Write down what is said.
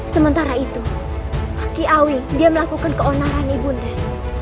sementara itu pak kiawi dia melakukan keonaran ibu nia